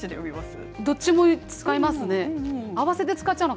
どっちも使いますね。